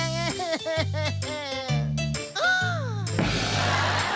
แม่ทำไมเค้กก้อนนี้มันเหนียวและเคี้ยวยากจังเลย